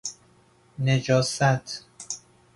نجاست